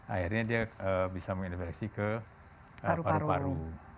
akhirnya dia bisa menginfeksi ke paru paru